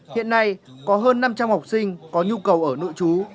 hiện nay có hơn năm trăm linh học sinh có nhu cầu ở nội trú